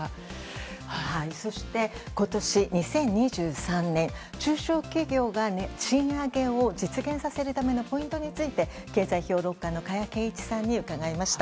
そして、今年２０２３年中小企業が賃上げを実現させるためのポイントについて経済評論家の加谷珪一さんに伺いました。